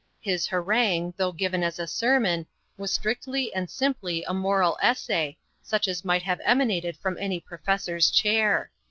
His harangue, though given as a sermon, was strictly and simply a moral essay, such as might have emanated from any professor's chair.